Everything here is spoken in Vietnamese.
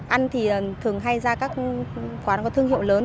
ăn thì thường hay ra các quán có thương hiệu lớn